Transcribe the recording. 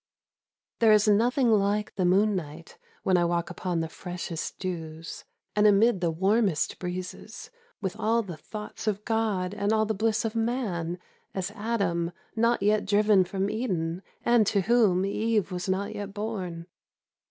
There is nothing like the moon night When I walk upon the freshest dews, And amid the warmest breezes. With all the thought of God And all the bliss of man, as Adam Not yet driven from Eden, and to whorn^ Eve was not yet born.